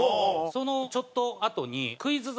そのちょっとあとに『クイズ！